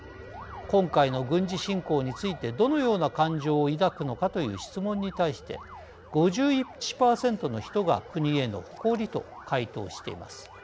今回の軍事侵攻についてどのような感情を抱くのかという質問に対して５１％の人が国への誇りと回答しています。